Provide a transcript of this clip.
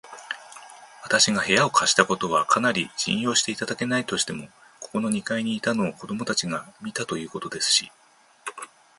わたしが部屋を貸したことは、かりに信用していただけないとしても、ここの二階にいたのを子どもたちが見たということですし、